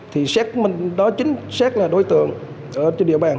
thì xét mình đó chính xác là đối tượng trên địa bàn